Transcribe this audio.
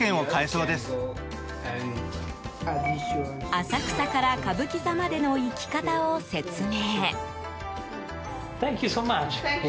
浅草から歌舞伎座までの行き方を説明。